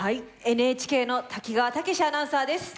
ＮＨＫの瀧川剛史アナウンサーです。